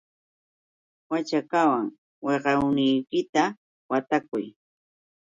Waćhakawan wiqawniykita watakuy.